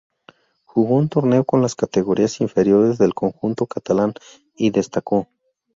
Jugó un torneo con las categorías inferiores del conjunto catalán y destacó.